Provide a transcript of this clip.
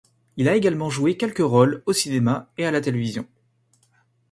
Il a également joué quelques rôles au cinéma et à la télévision.